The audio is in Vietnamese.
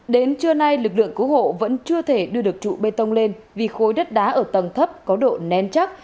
đến trưa nay lực lượng cứu hộ vẫn chưa thể đưa được trụ bê tông lên vì khối đất đá ở tầng thấp có độ nén chắc